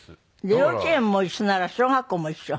幼稚園も一緒なら小学校も一緒？